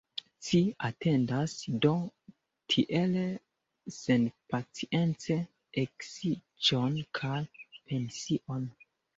Ci atendas do tiel senpacience eksiĝon kaj pension!